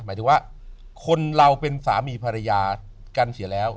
หมายถึงว่าคนเราเป็นสามีภรรยากันเสียแล้ว